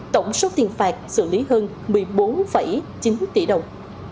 tổng số tiền phạt xử lý hơn một mươi bốn chín tỷ đồng